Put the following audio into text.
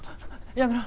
やめろ